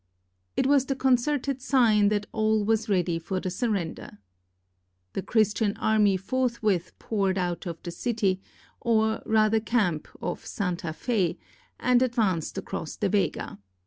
It was the concerted sign that all was ready for the surrender. The Christian army forthwith poured out of the city, or rather camp of Santa Fe, and 460 THE SURRENDER OF GRANADA advanced across the vega.